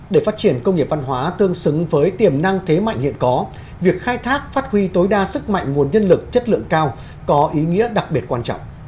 để phát triển công nghiệp văn hóa tương xứng với tiềm năng thế mạnh hiện có việc khai thác phát huy tối đa sức mạnh nguồn nhân lực chất lượng cao có ý nghĩa đặc biệt quan trọng